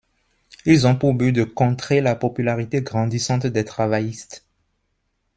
Ils ont pour but de contrer la popularité grandissante des travaillistes.